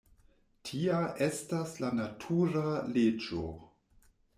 Tia estas la natura leĝo.